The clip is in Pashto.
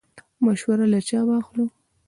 مشوره له چا واخلو؟